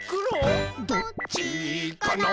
「どっちかな？」